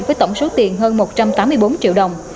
với tổng số tiền hơn một trăm tám mươi bốn triệu đồng